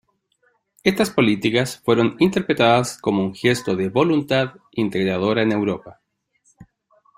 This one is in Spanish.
Estas políticas fueron interpretadas como un gesto de voluntad integradora en Europa.